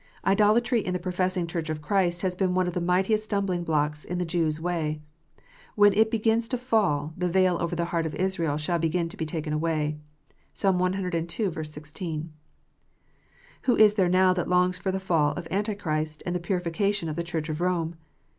Idolatry in the professing Church of Christ has been one of the mightiest stumbling blocks in the Jew s way. When it begins to fall, the veil over the heart of Israel shall begin to be taken away. (Psalm cii. 16.) Who is there now that longs for the fall of Antichrist, and the purification of the Church of Rome